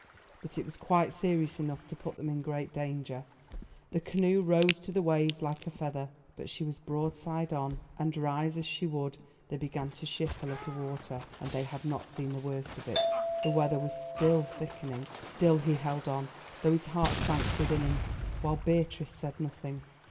But it was quite serious enough to put them in great danger. The canoe rose to the waves like a feather, but she was broadside on, and rise as she would they began to ship a little water. And they had not seen the worst of it. The weather was still thickening. Still he held on, though his heart sank within him, while Beatrice said nothing.